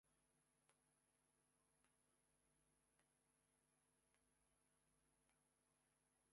They have always been supportive of me and my brother in pursuing our goals.